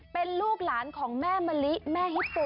เป็นลูกหลานของแม่มะลิแม่ฮิปโป